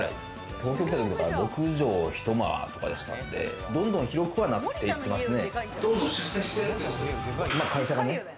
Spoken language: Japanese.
東京来たときは６帖１間とかだったんで、どんどん広くはなっていってますね。